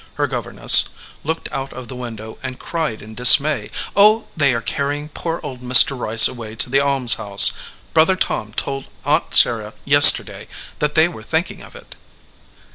her governess, looked out of the window and cried in dismay, "Oh, they are carrying poor old Mr. Rice away to the almshouse. Brother Tom told Aunt Sarah yesterday that they were thinking of it."